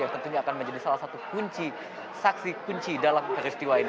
yang tentunya akan menjadi salah satu kunci saksi kunci dalam peristiwa ini